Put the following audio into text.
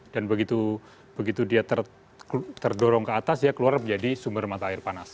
dan begitu begitu dia terdorong ke atas ya keluar menjadi sumber mata air panas